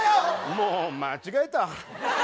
もう間違えた。